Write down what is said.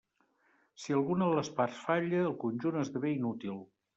Si alguna de les parts falla, el conjunt esdevé inútil.